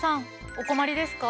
お困りですか？